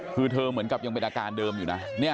คือเธอเหมือนกับยังเป็นอาการเดิมอยู่นะ